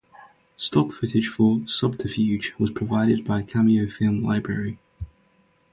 Stock footage for "Subterfuge" was provided by Cameo Film Library.